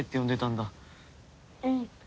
うん。